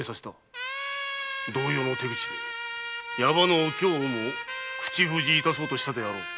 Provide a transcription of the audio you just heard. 同様の手口で矢場のお京をも口封じ致そうとしたであろう。